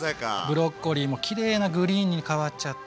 ブロッコリーもきれいなグリーンに変わっちゃって。